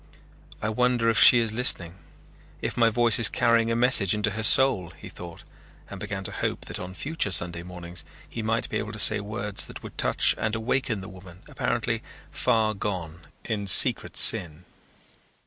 "I wonder if she is listening, if my voice is carrying a message into her soul," he thought and began to hope that on future Sunday mornings he might be able to say words that would touch and awaken the woman apparently far gone in secret sin.